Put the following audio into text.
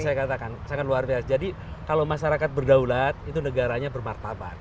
saya katakan sangat luar biasa jadi kalau masyarakat berdaulat itu negaranya bermartabat